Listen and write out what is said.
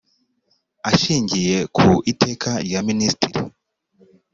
ashingiye ku iteka rya minisitiri